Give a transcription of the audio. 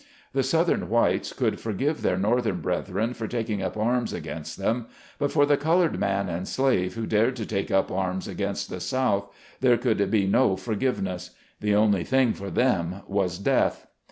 The southern whites could forgive their north ern brethren for taking up arms against them ; but for the colored man and slave who dared to take up arms against the South, there could be no forgiveness; the only thing for them was death.